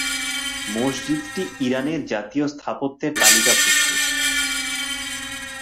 মসজিদটি ইরানের জাতীয় স্থাপত্যের তালিকাভুক্ত।